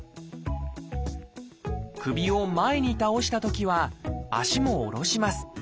首を前に倒したときは足も下ろします。